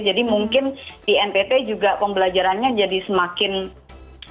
jadi mungkin di ntt juga pembelajarannya jadi semakin tinggi